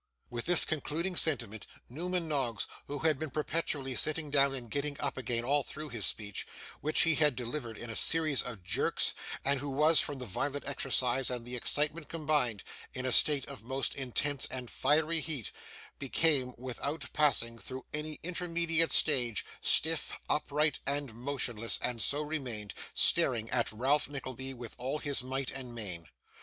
With this concluding sentiment, Newman Noggs, who had been perpetually sitting down and getting up again all through his speech, which he had delivered in a series of jerks; and who was, from the violent exercise and the excitement combined, in a state of most intense and fiery heat; became, without passing through any intermediate stage, stiff, upright, and motionless, and so remained, staring at Ralph Nickleby with all his might and main.